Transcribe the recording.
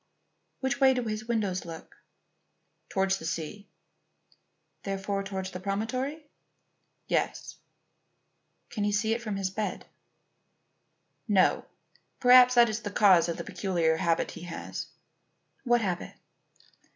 "Which way do his windows look?" "Towards the sea." "Therefore towards the promontory?" "Yes." "Can he see it from his bed?" "No. Perhaps that is the cause of a peculiar habit he has." "What habit?"